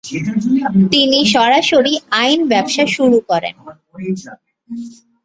তিনি সরাসরি আইন ব্যবসা শুরু করেন।